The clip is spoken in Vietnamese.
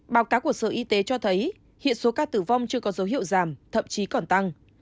báo cáo của sở y tế cho thấy hiện số ca tử vong chưa có dấu hiệu giảm thậm chí còn tăng